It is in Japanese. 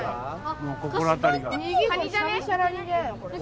もう心当たりが？